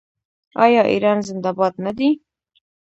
آیا ایران زنده باد نه دی؟